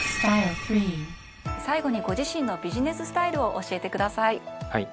最後にご自身のビジネススタイルを教えてください。